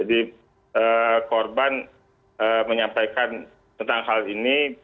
jadi korban menyampaikan tentang hal ini